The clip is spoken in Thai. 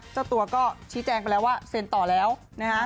เจ้าตัวก็ชี้แจงไปแล้วว่าเซ็นต่อแล้วนะฮะ